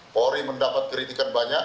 pori mendapat kritikan banyak